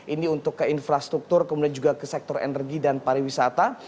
ini untuk ke infrastruktur kemudian juga ke sektor energi dan pariwisata